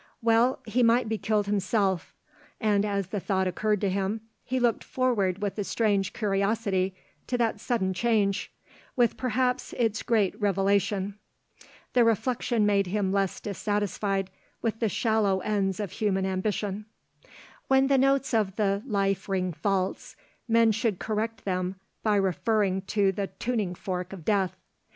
Well, he might be killed himself; and as the thought occurred to him he looked forward with a strange curiosity to that sudden change, with perhaps its great revelation. The reflection made him less dissatisfied with the shallow ends of human ambition. When the notes of life ring false, men should correct them by referring to the tuning fork of death.